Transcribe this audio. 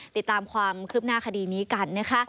ติดตามความคลิบหน้าคดีนี้กัน